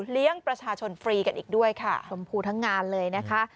ประชาชนฟรีกันอีกด้วยค่ะชมพูทั้งงานเลยนะคะ